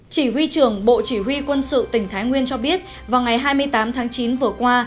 chỉ huy trưởng bộ chỉ huy quân sự tỉnh thái nguyên cho biết vào ngày hai mươi tám tháng chín vừa qua